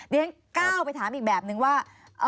เดี๋ยวให้เกรียดไปถามอีกแบบนึงว่า